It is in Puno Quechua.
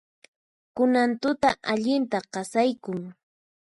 Kunan tuta allinta qasaykun.